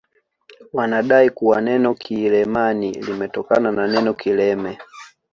Wanadai kuwa neno kiileman limetokana na neno kileme